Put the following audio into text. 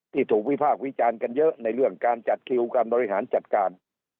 ถูกวิพากษ์วิจารณ์กันเยอะในเรื่องการจัดคิวการบริหารจัดการ